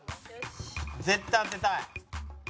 「絶対当てたい」